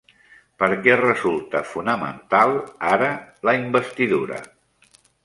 Per què resulta fonamental ara la investidura?